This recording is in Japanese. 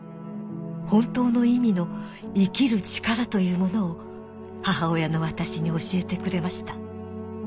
「本当の意味の『生きる力』というものを母親の私に教えてくれました」